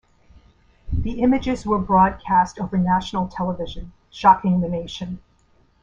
The images were broadcast over national television, shocking the nation.